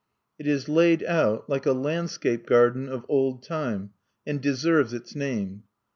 It is laid out like a landscape garden of old time, and deserves its name.